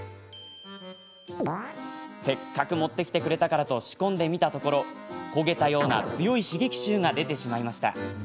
せっかく持ってきてくれたからと仕込んでみたところ焦げたような強い刺激臭が出てしまいました。